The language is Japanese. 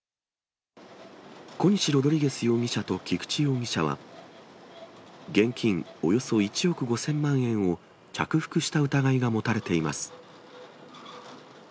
コニシ・ロドリゲス容疑者と菊地容疑者は、現金およそ１億５０００万円を着服した疑いが持たれています。